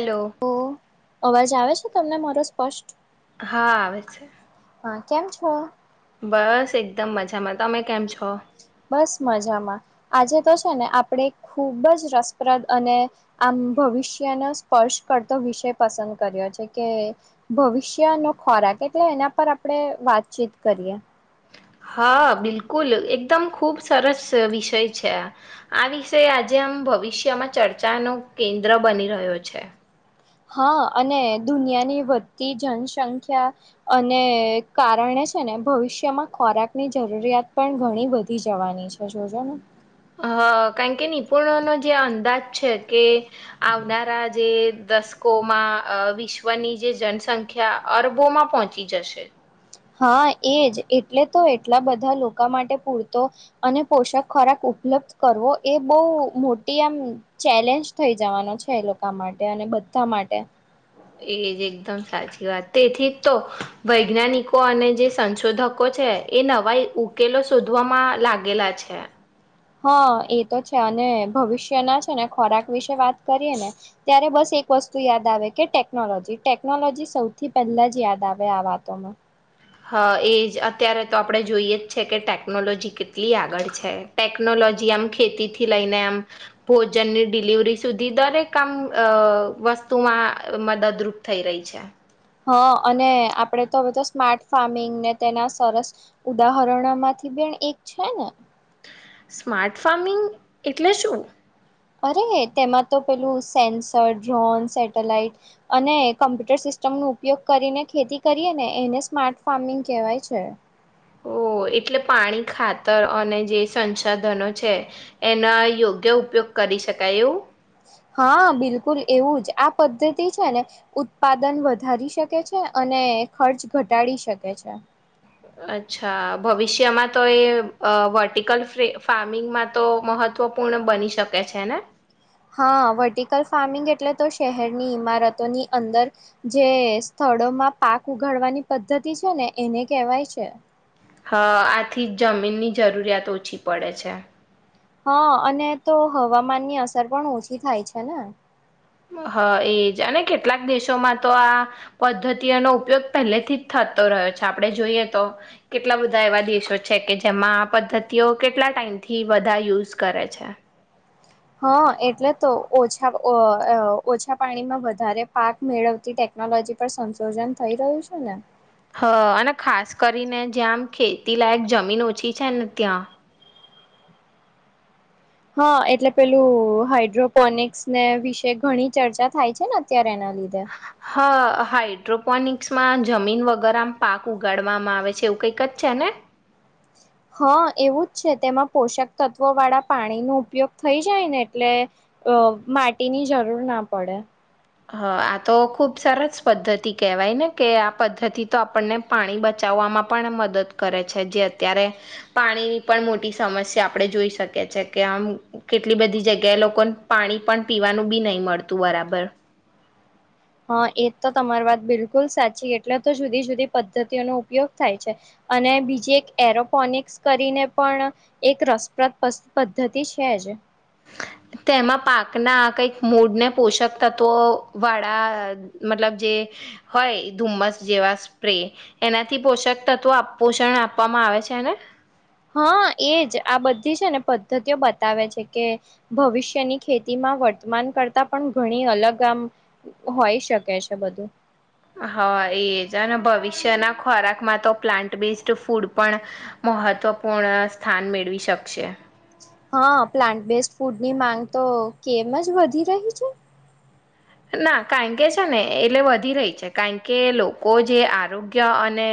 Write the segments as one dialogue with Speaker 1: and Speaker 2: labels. Speaker 1: Hello
Speaker 2: ઓ અવાજ આવે છે તમને મારો સ્પષ્ટ
Speaker 1: હા આવે છે
Speaker 2: હા કેમ છો
Speaker 1: બસ એકદમ મજામાં તમે કેમ છો
Speaker 2: બસ મજામાં આજે તો છે ને આપણે ખૂબ જ રસપ્રદ અને આમ ભવિષ્યનો સ્પર્શ કરતો વિષય પસંદ કર્યો છે કે ભવિષ્યનોો ખોરાક એટલે એના પર આપણે વાતચીત કરીએ
Speaker 1: હા બિલકુલ એકદમ ખુબ સરસ વિષય છે આ વિષ આજે આમ ભવિષ્યમાં ચર્ચાનો કેન્દ્ર બની રહ્યો છે
Speaker 2: હા અને દુનિયાની વધતી જનસંખ્યા અને કારણે છે ને ભવિષ્યમાં ખોરાકની જરૂરિયાત પણ ઘણી વધી જવાની છે જોજો ને
Speaker 1: હ કારણ કે નિપુણનો જે અંદાજ છે કે આવનારા જે દસકોમાં વિશ્વની જે જનસંખ્યા અરબોમાં પહોંચી જશે
Speaker 2: હા એજ એટલે તો એટલા બધા લોકો માટે પૂરતો અને પોષક ખોરાક ઉપલબ્ધ કરવો એ બહ મોટી આમ ચેલેન્જ થઈ જવાનો છે એ લોકો માટે અને બધા માટે
Speaker 1: એજ એકદમ સાચી વાત તેથી તો વૈજ્ઞાનિકો અને જે સંશોધકો છે એ નવાય ઉકેલો શોધવામાં લાગેલા છે
Speaker 2: હા એ તો છે અને ભવિષ્યના છે ને ખોરાક વિશે વાત કરીએ ને ત્યારે બસ એક વસ્તુ યાદ આવે કે ટેકનોલોજી ટેકનોલોજી સૌથી પહેલા જ યાદ આવે આ વાતોમાં
Speaker 1: હા એ જ અત્યારે તો આપડ જોઈએ જ છે કે ટેકનોલોજી કેટલી આગળ છે ટેકનોલોજી આમ ખેતીથી લઈને આમ ભોજનની ડિલિવરી સુધી દરેક આમ વસ્તુમાં મદદરૂપ થઈ રહી છે
Speaker 2: હા અને આપણે તો હવે તો સ્માર્ટ ફાર્મિંગને તેના સરસ ઉદાહરણોમાંથી બે એક છે ને
Speaker 1: સ્માર્ટ ફાર્મિંગ એટલે શું
Speaker 2: અરે તેમાં તો પેલું સેન્સર ડ્રોન સેટેલાઈટ અને કમ્પ્યુટર સિસ્ટમ ન ઉપયોગ કરીને ખેતી કરીએ ને એને સ્માર્ટ ફાર્મિંગ કહેવાય છે
Speaker 1: ઓ એટલે પાણી ખાતર અને જે સંસાધનો છે એના યોગ્ય ઉપયોગ કરી શકાય એવું
Speaker 2: હા બિલકુલ એવું જ આ પદ્ધતિ છે ને ઉત્પાદન વધારી શકે છે અને ખર્ચ ઘટાડી શકે છે
Speaker 1: અચ્છા ભવિષ્યમાં તો એ વર્ટિકલ ફાર્મિંગમાં તો મહત્વપૂર્ણ બની શકે છે ને
Speaker 2: હા વર્ટિકલ ફાર્મિંગ એટલે તો શહેરની ઈમારતોની અંદર જે સ્થળોમાં પાક ઉગાડવાની પદ્ધતિ છે ને એને કહેવાય છે
Speaker 1: હા આથી જમીનની જરૂરિયાત ઓછી પડે છે
Speaker 2: હા અને તો હવામાનની અસર પણ ઓછી થાય છે ને
Speaker 1: હા એજ અને કેટલાક દેશોમાં તો આ પદ્ધતિઓનો ઉપયોગ પહેલેથી જ થતો રહ્યો છે આપણે જોઈએ તો કેટલા બધા એવા દેશો છે કે જેમાં આ પદ્ધતિઓ કેટલા ટાઈમથી બધા યુઝ કરે છે
Speaker 2: હા એટલે તો ઓછા ઓછા પાણીમાં વધારે પાક મેળવતી ટેકનોલોજી પર સંશોધન થઈ રહ્યું છે ને
Speaker 1: હ અને ખાસ કરીને જ્યાં આમ ખેતી લાયક જમીન ઓછી છે ને ત્યાં
Speaker 2: હા એટલે પેલું હાઈડ્રોપોનિકસ ને વિશે ઘણી ચર્ચા થાય છે ને અત્યારે એના લીધે
Speaker 1: હા હાઈટ મેટ્રોપોનિકસમાં જમીન વગરમાં પાક ઉગાડવામાં આવે છે એવું કઈકત છે ને
Speaker 2: હા એવું જ છે તેમાં પોષક તત્વો વાળા પાણીનો ઉપયોગ થઈ જાય ને એટલે અ માટીની જરૂર ના પડે
Speaker 1: હા આ તો ખુબ સરસ પદ્ધતિ કહેવાય ને કે આ પદ્ધતિ તો આપણને પાણી બચાવવામાં પણ મદદ કરે છે જે અત્યારે પાણીની પણ મોટી સમસ્યા આપણે જોઈ શકીએીએ કે આમ કેટલી બધી જગ્યાએ લોકોને પાણી પણ પીવાનું બી નહીં મળતું બરાબર
Speaker 2: હા એ તો તમારી વાત બિલકુલ સાચી એટલે તો જુદી જુદી પદ્ધતિઓનો ઉપયોગ થાય છે અને બીજી એક એરોપોનિક્સ કરીને પણ એક રસપ્રદ પદ્ધતિ છે જ
Speaker 1: તેમાં પાકના કંઈક મૂળને પોષક તત્વો વાળા મતલબ જે હોય ધુમ્મસ જેવા સ્પ્રે એનાથી પોષક તત્વો પોષણ આપવામાં આવે છેને
Speaker 2: હા એજ આ બધી છે ને પદ્ધતિઓ બતાવે છે કે ભવિષ્યની ખેતીમાં વર્તમાન કરતા પણ ઘણી અલગ આમ હોય શકે છે બધું
Speaker 1: હા એજ અને ભવિષ્યના ખોરાકમાં તો પ્લાન્ટ બેઝડ ફૂડ પણ મહત્વપૂર્ણ સ્થાન મેળવી શકશે
Speaker 2: હા પ્લાન્ટ બેઝ ફૂડની માંગ તો કેમ જ વધી રહી છે
Speaker 1: ના કારણ કે છે ને એટલે વધી રહી છે કારણ કે લોકો જે આરોગ્ય અને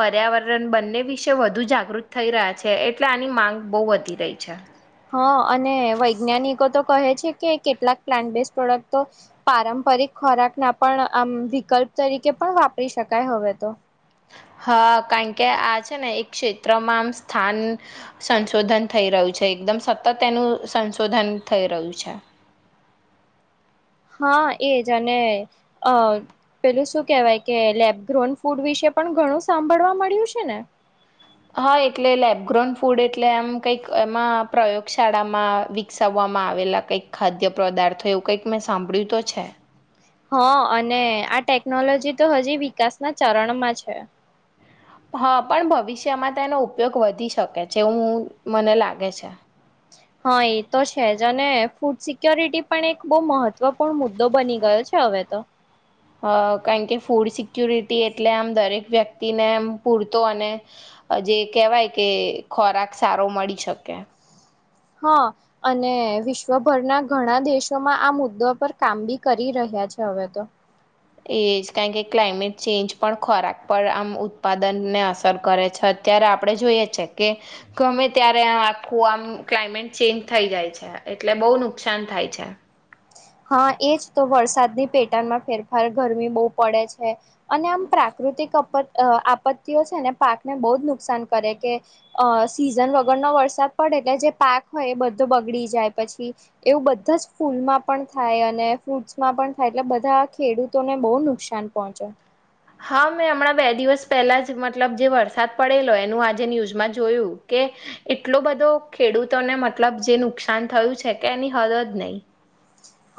Speaker 1: પર્યાવરણ બંને વિશે વધુ જાગૃત થઈ રહ્યા છે એટલે આની માંગ બો વધી રહી છે
Speaker 2: હા અને વૈજ્ઞાનિકો તો કહે છે કે કેટલાક પ્લાન્ટ બેઝ પ્રોડક્ટ તો પારંપરિક ખોરાક ના પણ આમ વિકલ્પ તરીકે પણ વાપરી શકાય હવે તો
Speaker 1: હા કારણ કે આ છે ને એક ક્ષેત્રમાં આમ સ્થાન સંશોધન થઈ રહ્યું છે એકદમ સતત એનું સંશોધન થઈ રહ્યું છે
Speaker 2: હા એજ અને અ પેલું શું કેહેવાય કે લેબગ્રોન ફૂડ વિશે પણ ઘણું સાંભળવા મળ્યું છે ને
Speaker 1: હા એટલે લેબગ્રોન ફૂડ એટલે આમ કંઈક એમાં પ્રયોગશાળામાં વિકસાવવામાં આવેલા કઈક ખાદ્ય પદાર્થય એવું કંઈક મેં સાંભળ્યું તો છે
Speaker 2: હા અને આ ટેકનોલોજી તો હજી વિકાસના ચરણમાં છે
Speaker 1: હા પણ ભવિષ્યમાં તેનો ઉપયોગ વધી શકે છે એવું મને લાગે છે
Speaker 2: હા એ તો છે જ અને ફૂડ સિક્યોરિટી પણ એક બહુ મહત્વપૂર્ણ મુદ્દો બની ગયો છે હવે તો
Speaker 1: અ કારણ કે ફૂડ સિકુરિટી એટલે આમ દરેક વ્યક્તિને એમ પૂરતો અને જે કહેવાય કે ખોરાક સારો મળી શકે
Speaker 2: હા અને વિશ્વભરના ઘણા દેશોમાં આ મુદ્દા પર કામ બી કરી રહ્યા છે હવે તો
Speaker 1: એ જ કારણ કે ક્લાઇમેટ ચેન્જ પણ ખોરાક પર આમ ઉત્પાદનને અસર કરે છે અત્યારે આપણે જોઈએ છે કે ગમે ત્યારે આખું આમ ક્લાયમેટ ચેન્જ થઈ જાય છે એટલે બહુ નુકસાન થાય છે
Speaker 2: હા એજ તો વરસાદની પેટાણમાં ફેરફાર ગરમી બહુ પડે છે અને આમ પ્રાકૃતિક આપત્તિઓ છે ને પાકને બહુ જ નુકસાન કરે કે સીઝન વગરનો વરસાદ પડે એટલે જે પાક હોય એ બધો બગડી જાય પછી એવું બધા જ ફૂલમાં પણ થાય અને ફ્રૂટ્સમાં પણ થાય એટલે બધા ખેડૂતોને બહુ નુકસાન પહોંચે
Speaker 1: હા મેં હમણાં બે દિવસ પહેલા જ મતલબ જે વરસાદ પડેલો એનું આજે ન્યૂઝમાં જોયું કે એટલો બધો ખેડૂતોને મતલબ જે નુકસાન થયું છે કે એની હદ જ નહી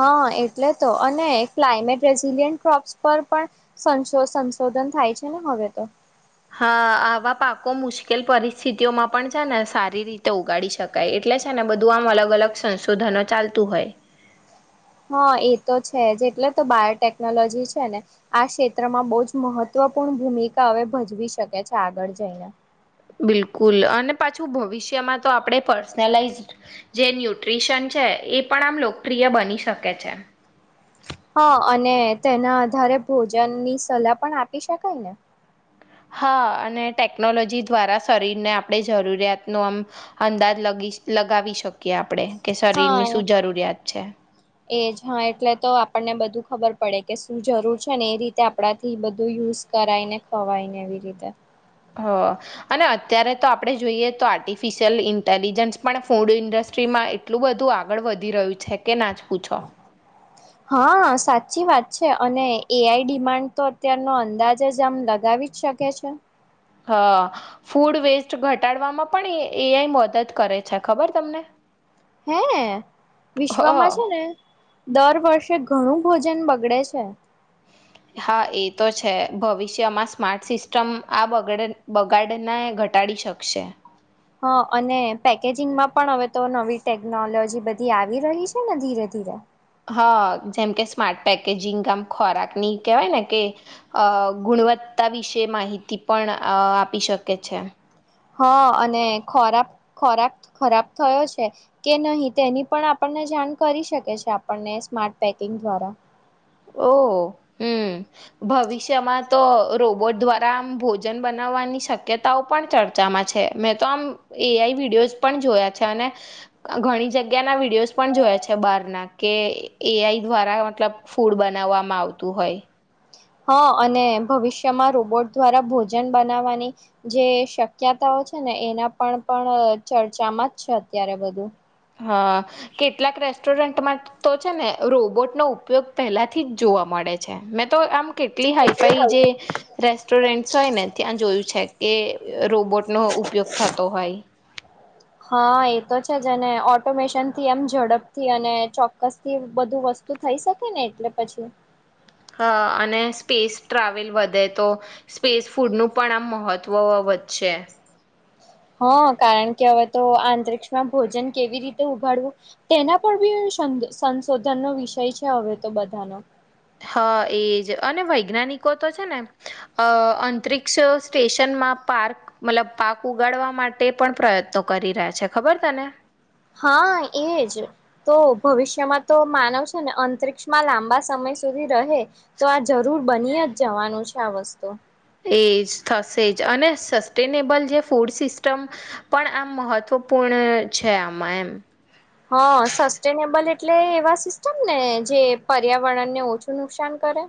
Speaker 2: હા એટલે તો અને ક્લાયમેટ રેઝિલિયન ક્રોપ્સ પર પણ સંશોધન થાય છે ને હવે તો
Speaker 1: હા આવા પાકો મુશ્કેલ પરિસ્થિતિઓમાં પણ છે ને સારી રીતે ઉગાડી શકાય એટલે છે ને બધું આમ અલગ અલગ સંશોધનો ચાલતું હોય
Speaker 2: હા એ તો છે જ એટલે તો બાયોટેકનોલોજી છે ને આ ક્ષેત્રમાં બહુ જ મહત્વપૂર્ણ ભૂમિકા હવે ભજવી શકે છે આગળ જઈને
Speaker 1: બિલકુલ અને પાછું ભવિષ્યમાં તો આપણે પર્સનલાઈઝ જે ન્યુટ્રીશન છે એ પણ આમ લોકપ્રિય બની શકે છે
Speaker 2: હા અને તેના આધારે ભોજન ની સલાહ પણ આપી શકાય ને
Speaker 1: હા અને ટેકનોલોજી દ્વારા શરીરને આપણે જરૂરિયાતનો આમ અંદાજ લગી લગાવી શકીએ આપણે કે શરીરની
Speaker 2: હા
Speaker 1: શું જરૂરિયાત છે
Speaker 2: એજ હા એટલે તો આપણને બધું ખબર પડે કે શું જરૂર છે ને એ રીતે આપણા થી બધું યુઝ કરાય ને ખવાય ને એવી રીતે
Speaker 1: હ અને અત્યારે તો આપણે જોઈએ તો આર્ટિફિશિયલ ઇન્ટેલિજન્સ પણ ફૂડ ઇન્ડસ્ટ્રીમાં એટલું બધું આગળ વધી રહ્યું છે કે ના પૂછો
Speaker 2: હા સાચી વાત છે અને એઆઈ ડિમાન્ડ તો અત્યારનો અંદાજ જ આમ લગાવી જ શકે છે
Speaker 1: હા ફૂડ વેસ્ટ ઘટાડવામાં પણ એઆઈ મદદ કરે છે ખબર તમને
Speaker 2: હે વિશ્વમાં
Speaker 1: હ
Speaker 2: છે ને દર વર્ષે ઘણું ભોજન બગડે છે
Speaker 1: હા એ તો છે ભવિષ્યમાં સ્માર્ટ સિસ્ટમ આ બગાડને ઘટાડી શકશે
Speaker 2: હ અને પેકેજિંગમાં પણ હવે તો નવી ટેકનોલોજી બધી આવી રહી છે ને ધીરે ધીરે
Speaker 1: હા જેમ કે સ્માર્ટ પેકેજિંગ ગામ ખોરાકની કેહેવાય ને કે ગુણવત્તા વિશે માહિતી પણ આપી શકે છે
Speaker 2: હા અને ખોરાબ ખોરાક ખરાબ થયો છે કે નહી તેની પણ આપણને જાણ કરી શકે છે આપણને સ્માર્ટ પેકિંગ દ્વારા
Speaker 1: ઓ હમ્મ ભવિષ્યમાં તો રોબોટ દ્વારા આમ ભોજન બનાવવાની શક્યતાઓ પણ ચર્ચામાં છે મેં તો આમ એઆઈ વિડીિયોઝ પણ જોયા છે અને ઘણી જગ્યાના વિડીયોઝ પણ જોયા છે બહાર ના કે એઆઈ દ્વારા મતલબ ફૂડ બનાવવામાં આવતું હોય
Speaker 2: હા અને ભવિષ્યમાં રોબોટ દ્વારા ભોજન બનાવવાની જે શક્યતાઓ છે ને એના પણ પણ ચર્ચામાં જ છે અત્યારે બધું
Speaker 1: હ કેટલાક રેસ્ટોરન્ટમાં તો છે ને રોબોટનો ઉપયોગ પહેલાથી જ જોવા મળે છે મે તો આમ કેટલી હાઈફાઈ જે રેસ્ટોરન્ટસ હોય ને ત્યાં જોયું છે કે રોબોટનો ઉપયોગ થતો હોય
Speaker 2: હા એતો છે જ અને ઓટોમેશન થી એમ ઝડપથી અને ચોક્કસ થી બધું વસ્તુ થઈ શકે ને એટલે પછી
Speaker 1: અને સ્પેસ ટ્રાવેલ વધે તો સ્પેસ ફૂડનું પણ આમ મહત્ત્વ વધશે
Speaker 2: હા કારણ કે હવે તો આંત્રીર્ષમાં ભોજન કેવી રીતે ઉગાડવું તેના પર બી સંશોધનનો વિષય છે હવે તો બધાનો
Speaker 1: હા એજ અને વૈજ્ઞાનિકો તો છે ને અ અંત્રીર્ષ સ્ટેશનમાં પાર્ક મતલબ પાક ઉગાડવા માટે પણ પ્રયત્નો કરી રહ્યા છે ખબર ત ને
Speaker 2: હા એજ તો ભવિષ્યમાં તો માનવ છે ને અંતરિક્ષ માં લાંબા સમય સુધી રહે તો આ જરૂર બની જવાનું છે આ વસ્તુ
Speaker 1: એજ થશે જ અને સ્ટેનેબલ જે ફૂડ સિસ્ટમ પણ આમ મહત્ત્વપૂર્ણ છે આમાં એમ
Speaker 2: હા સસ્ટેનેબલ એટલે એવા સિસ્ટમ ને જે પર્યાવરણ ને ઓછું નુકસાન કરે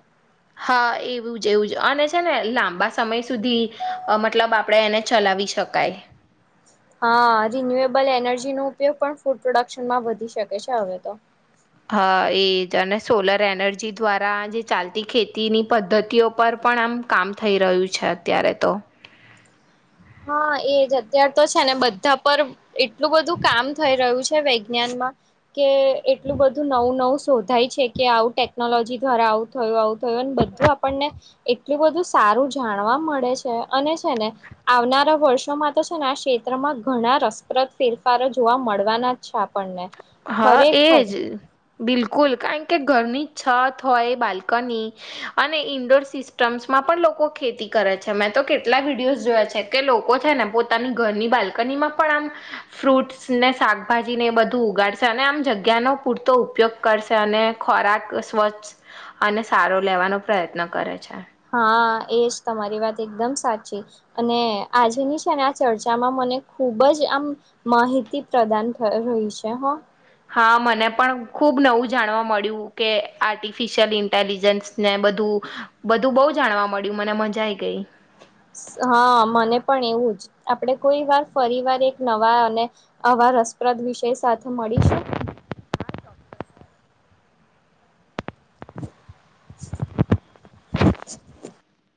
Speaker 1: હા એવું જ એવું જ અને છે ને લાંબા સમય સુધી મતલબ આપણે એને ચલાવી શકાય
Speaker 2: હા રિન્યુએબલ એનર્જીનો ઉપયોગ પણ ફૂડ પ્રોડક્શનમાં વધી શકે છે હવે તો
Speaker 1: હા એજ અને સોલર એનર્જી દ્વારા જે ચાલતી ખેતીની પદ્ધતિઓ પર પણ આમ કામ થઈ રહ્યું છે અત્યારે તો
Speaker 2: હા એજ અત્યાર તો છે ને બધા પર એટલું બધું કામ થઈ રહ્યું છે. વૈજ્ઞાનમાં. કે એટલું બધું નવું નવ. શોધાય છે કે આવું ટેકનોલોજી દ્વારા આવું થયું, આવું થયું, અને બધું આપણને એટલું બધું સારું જાણવા મળે છે. અને છે ને આવનારા વર્ષોમાં તો છે ને આ ક્ષેત્રમાં ઘણા રસપ્રદ ફેરફારો જોવા મળવાના જ છે આપણને.
Speaker 1: હા
Speaker 2: ખરેખર
Speaker 1: એજ. બિલકુલ. કારણ કે ઘરની છત હોય, બાલ્કની અને ઈન્ડોર સિસ્ટમ્સમાં પણ લોકો ખેતી કરે છે. મેં તો કેટલા વિડીયોઝ જોયા છે કે લોકો છે, ને પોતાની ઘરની બાલ્કનીમાં પણ આમ ફ્રૂટ્સ ને શાકભાજી ને એ બધું ઉગાડ. અને આમ જગ્યાનો પૂરતો ઉપયોગ કરશે. અને ખોરાક સ્વચ્છ અને સારો લેવાનો પ્રયત્ન કરે છે.
Speaker 2: હા! એજ તમારી વાત એકદમ સાચી. અને આજેની છે ને આ ચર્ચામાં મને ખૂબ જ આમ માહિતી પ્રદાન થઇ રહી છે હ.
Speaker 1: હા! મને પણ ખુબ નવું જાણવા મળ્યું. કે આર્ટિફિશિયલ ઇન્ટેલિજન્સ ને બધું બધું બહુ જાણવા મળ્યું મને મજા ગઈ.
Speaker 2: હા મને પણ એવું જ આપણેે કોઈ વાર ફરીવાર એક નવા અને અવા રસપ્રદ વિષય સાથે મળીશું. [inaudible]